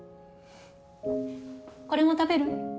これも食べる？